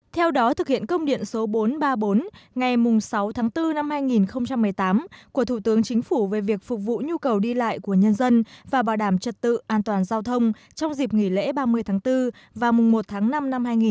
theo đó thực hiện công điện số bốn trăm ba mươi bốn ngày sáu tháng bốn năm hai nghìn một mươi tám của thủ tướng chính phủ về việc phục vụ nhu cầu đi lại của nhân dân và bảo đảm trật tự an toàn giao thông trong dịp nghỉ lễ ba mươi tháng bốn và mùng một tháng năm năm hai nghìn một mươi chín